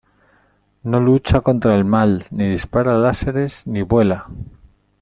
¡ No lucha contra el mal, ni dispara láseres , ni vuela!